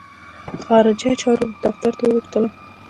خارجه چارو دفتر ته وغوښتلم.